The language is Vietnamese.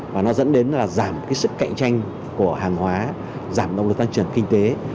và nó dẫn đến giảm sức cạnh tranh của hàng hóa giảm động lực tăng trưởng kinh tế